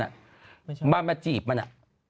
น่ะงวงไฟพ้นา